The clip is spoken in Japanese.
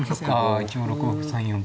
あ一応６五歩３四。